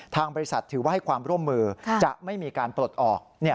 ทางบริษัทถือว่าให้ความร่วมมือจะไม่มีการปลดออก